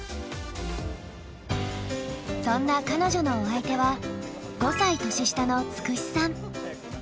そんな彼女のお相手は５歳年下のつくしさん。